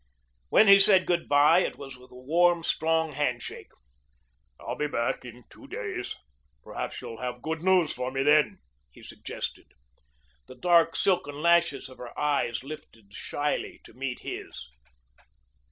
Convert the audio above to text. When he said good bye it was with a warm, strong handshake. "I'll be back in two days. Perhaps you'll have good news for me then," he suggested. The dark, silken lashes of her eyes lifted shyly to meet his.